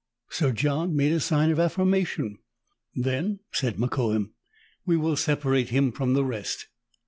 Sir John made a sign of affirmation. "Then," said Mokoum, "we will separate him from the rest."